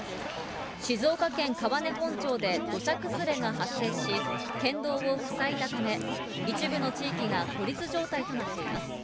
静岡県川根本町で土砂崩れが発生し、県道を塞いだため、一部の地域が孤立状態となっています。